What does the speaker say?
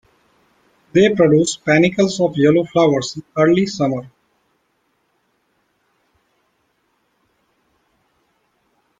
They produce panicles of yellow flowers in early summer.